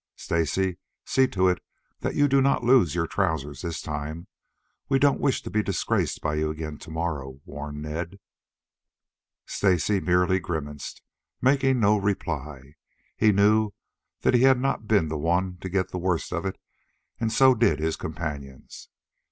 "Stacy, see to it that you do not lose your trousers this time. We don't wish to be disgraced by you again to morrow," warned Ned. Stacy merely grimaced, making no reply. He knew that he had not been the one to get the worst of it, and so did his companions.